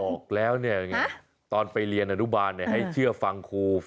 บอกแล้วเนี่ยตอนไปเรียนอนุบาลให้เชื่อฟังครู